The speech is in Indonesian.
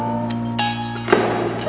gila sih keren